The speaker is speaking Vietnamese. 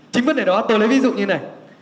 chính vấn đề đó tôi lấy ví dụ như này